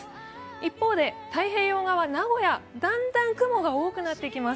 一方で太平洋側、名古屋、だんだん雲が多くなってきます。